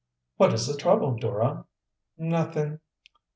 "What is the trouble, Dora?" "Nothing."